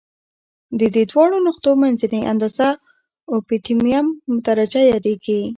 د دې دواړو نقطو منځنۍ اندازه اؤپټیمم درجه یادیږي.